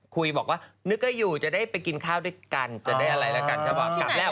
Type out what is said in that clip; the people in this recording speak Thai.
คุยบอกว่านึกให้อยู่จะได้ไปกินข้าวด้วยกันจะได้อะไรแล้วกันก็บอกกลับแล้ว